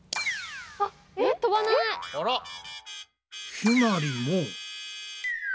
ひまりも。